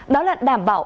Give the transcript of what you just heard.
đó là đảm bảo